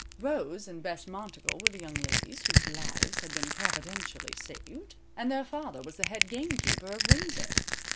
Rose and Bess Montagle were the young ladies whose lives had been providentially saved, and their father was the head gamekeeper of Windsor.